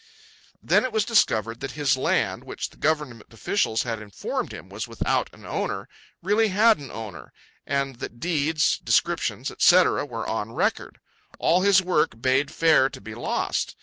Then it was discovered that his land, which the government officials had informed him was without an owner, really had an owner, and that deeds, descriptions, etc., were on record. All his work bade fare to be lost.